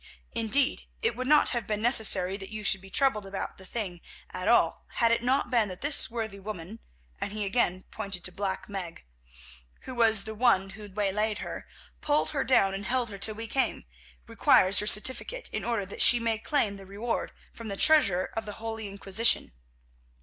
Indeed, it would not have been necessary that you should be troubled about the thing at all had it not been that this worthy woman," and again he pointed to Black Meg, "who was the one who waylaid her, pulled her down and held her till we came, requires your certificate in order that she may claim the reward from the Treasurer of the Holy Inquisition.